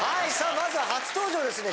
まずは初登場ですね。